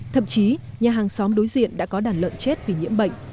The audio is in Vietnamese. thậm chí nhà hàng xóm đối diện đã có đàn lợn chết vì nhiễm bệnh